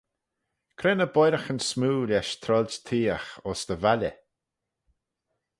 Cre ny boiraghyn smoo lesh troailt theayagh ayns dty valley?